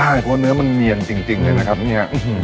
ใช่เพราะเนื้อมันเนียนจริงเลยนะครับเนี่ย